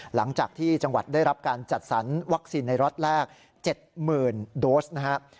หลังจากที่จังหวัดได้รับการจัดสรรวัคซีนในล็อตแรก๗๐๐๐โดสนะครับ